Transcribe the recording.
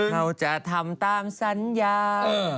เราจะทำตามสัญญา